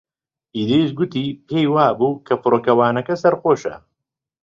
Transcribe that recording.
ئیدریس گوتی پێی وا بوو کە فڕۆکەوانەکە سەرخۆشە.